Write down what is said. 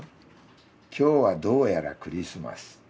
「きょうはどうやらクリスマス。